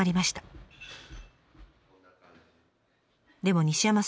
でも西山さん